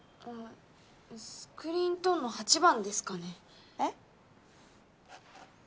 スクリーントーンの８番ですかねえっ？